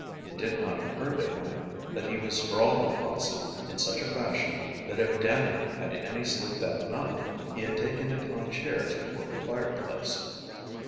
It did not occur to him that he was sprawled across it in such a fashion that if Dannie had any sleep that night, he had taken it on chairs before the fireplace.